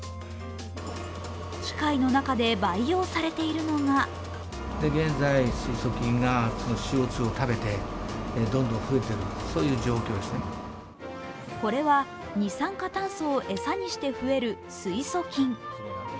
機械の中で培養されているのがこれは二酸化炭素を餌にして増える水素菌。